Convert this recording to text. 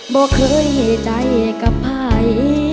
บอกเคยให้ใจกับใคร